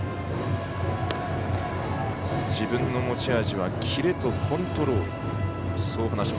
自分の持ち味はキレとコントロール。